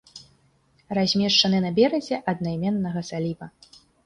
Размешчаны на беразе аднайменнага заліва.